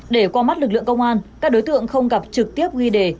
để qua mắt lực lượng công an các đối tượng không gặp trực tiếp ghi đề